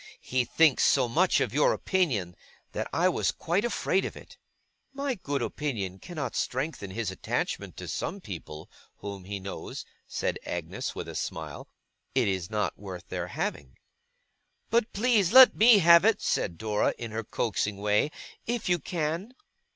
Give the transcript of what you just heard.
He thinks so much of your opinion, that I was quite afraid of it.' 'My good opinion cannot strengthen his attachment to some people whom he knows,' said Agnes, with a smile; 'it is not worth their having.' 'But please let me have it,' said Dora, in her coaxing way, 'if you can!